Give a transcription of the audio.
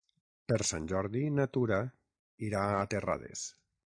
Per Sant Jordi na Tura irà a Terrades.